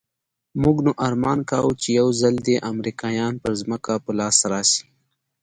موږ نو ارمان کاوه چې يو ځل دې امريکايان پر ځمکه په لاس راسي.